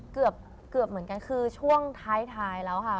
เกือบเกือบเหมือนกันคือช่วงท้ายแล้วค่ะ